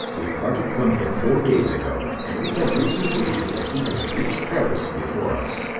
"We parted from him four days ago and we have reason to believe that he has reached Paris before us."